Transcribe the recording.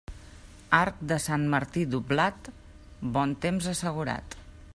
Arc de Sant Martí doblat, bon temps assegurat.